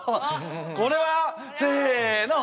これはせの！